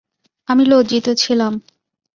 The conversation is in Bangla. আমি লজ্জিত ছিলাম।